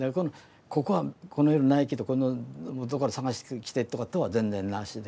ここはこの色ないけどこのどっかから探してきてとかは全然なしで。